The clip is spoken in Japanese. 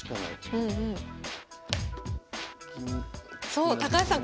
そう高橋さん